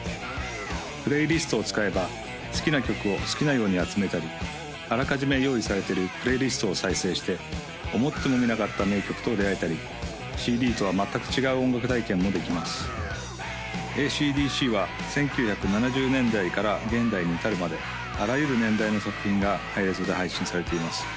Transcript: プレイリストを使えば好きな曲を好きなように集めたりあらかじめ用意されてるプレイリストを再生して思ってもみなかった名曲と出会えたりＣＤとは全く違う音楽体験もできますＡＣ／ＤＣは１９７０年代から現代に至るまであらゆる年代の作品がハイレゾで配信されています